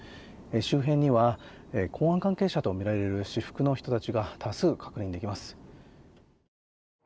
周辺には公安関係者とみられる私服の人たちが多数確認できます。